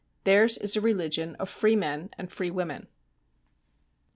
Theirs is a religion of free men and free women.